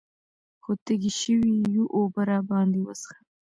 خو تږي شوي يو اوبۀ راباندې وڅښوه ـ